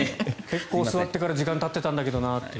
結構、座ってから時間たってたのになって。